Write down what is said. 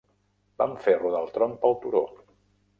Vam fer rodar el tronc pel turó.